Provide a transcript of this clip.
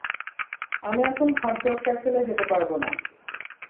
আমি এখন hot dog ক্যাসেলে যেতে পারবো না।